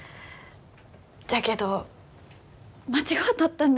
じゃけど間違うとったんです。